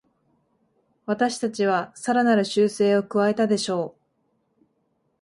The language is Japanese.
私たちはさらなる修正を加えたでしょう